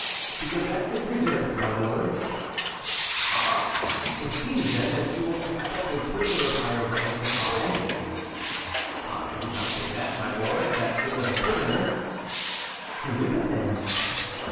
"Because that is reserved, my lord." "Ah! it seems, then, that you expect a prisoner of higher rank than I." "I did not say, my lord, that it was a prisoner." "Who is it, then?"